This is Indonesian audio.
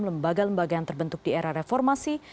lembaga lembaga yang terbentuk di era reformasi